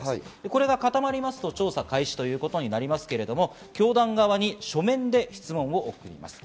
これが固まりますと調査開始ということになりますが、教団側に書面で質問を送ります。